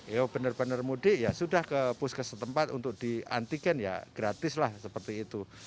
ya benar benar mudik ya sudah ke puskes setempat untuk di antigen ya gratis lah seperti itu